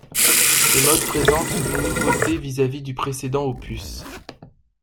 Ce mode présente une nouveauté vis-à-vis du précédent opus.